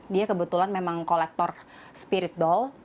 dia kebetulan memang kolektor spirit doll